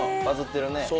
バズってるね。